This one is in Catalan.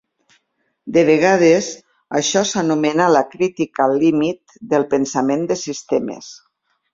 De vegades això s'anomena la crítica límit del pensament de sistemes.